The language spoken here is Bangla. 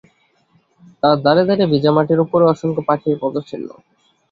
তার ধারে ধারে ভিজা মাটির উপরে অসংখ্য পাখির পদচিহ্ন।